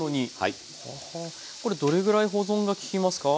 これどれぐらい保存が利きますか？